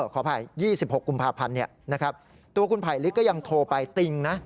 ขออภัย๒๖กุมภาพันธ์ตัวคุณไผลลิกก็ยังโทรไปติงนะ